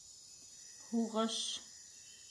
Һуғыш!..